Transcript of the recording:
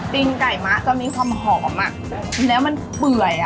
ตีนไก่มะจะมีความหอมอ่ะจริงแล้วมันเปื่อยอ่ะ